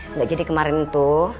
enggak jadi kemarin tuh